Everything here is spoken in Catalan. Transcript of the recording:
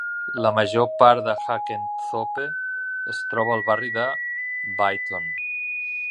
La major part de Hackenthorpe es troba al barri de Beighton.